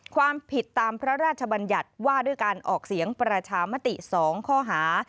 ความผิดตามพระราชบัญญัติว่าด้วยการออกเสียงประชามติ๒ข้อหา